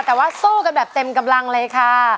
แต่ว่าสู้กันแบบเต็มกำลังเลยค่ะ